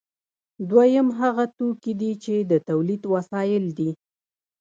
دویم هغه توکي دي چې د تولید وسایل دي.